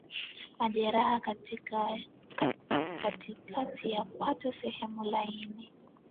Majeraha katikati ya kwato sehemu laini